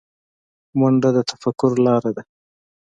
منډه د تفکر لاره ده